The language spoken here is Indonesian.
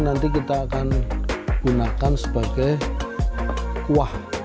nanti kita akan gunakan sebagai kuah